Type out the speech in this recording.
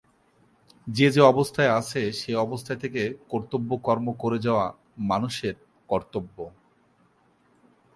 যে যে অবস্থায় আছে, সে অবস্থায় থেকে কর্তব্যকর্ম করে যাওয়া মানুষের কর্তব্য।